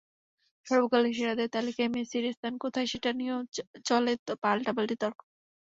সর্বকালের সেরাদের তালিকায় মেসির স্থান কোথায়, সেটা নিয়েও চলে পাল্টাপাল্টি তর্ক।